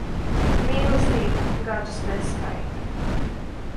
Mīlestība gadus neskaita.